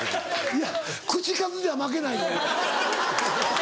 いや口数では負けないよ。